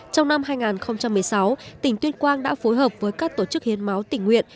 trong năm hai nghìn một mươi sáu tỉnh tuyên quang đã phối hợp với các tổ chức hiến máu tỉnh nguyện